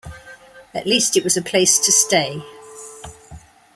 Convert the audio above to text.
At least it was a place to stay.